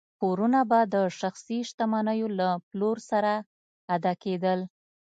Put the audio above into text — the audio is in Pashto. پورونه به د شخصي شتمنیو له پلور سره ادا کېدل.